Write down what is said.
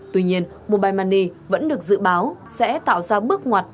tuy nhiên mobile money vẫn được dự báo sẽ tạo ra bước ngoặt